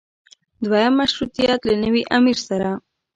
دویم مشروطیت له نوي امیر سره.